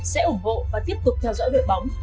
sẽ ủng hộ và tiếp tục theo dõi đội bóng